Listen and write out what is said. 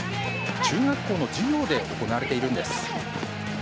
中学校の授業で行われているんです。